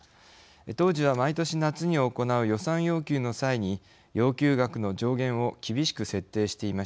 当時は毎年夏に行う予算要求の際に要求額の上限を厳しく設定していました。